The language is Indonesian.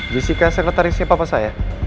jessica sekretarisnya papa saya